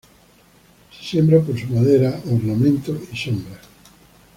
Se siembra por su madera, ornamento y sombra.